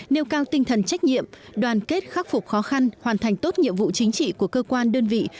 nêu cao tinh thần trách nhiệm đoàn kết khắc phục khó khăn hoàn thành tốt nhiệm vụ chính trị của cơ quan đơn vị